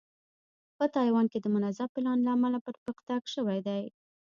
په تایوان کې د منظم پلان له امله پرمختګ شوی دی.